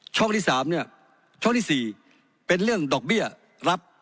ช่องที่๓เนี่ยช่องที่๔เป็นเรื่องดอกเบี้ยรับ